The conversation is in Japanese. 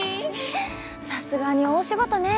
さすがに大仕事ね。